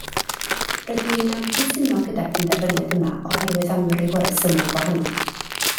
Rydw i'n anghytuno gyda'r penderfyniad yma oherwydd amryw o resymau gwahanol